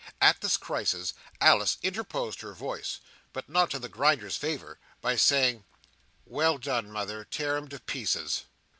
At this crisis Alice interposed her voice, but not in the Grinder's favour, by saying, "Well done, mother. Tear him to pieces!"